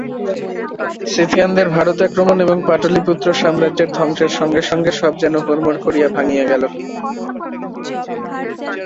সীথিয়ানদের ভারতাক্রমণ এবং পাটলিপুত্র-সাম্রাজ্যের ধ্বংসের সঙ্গে সঙ্গে সব যেন হুড়মুড় করিয়া ভাঙিয়া গেল।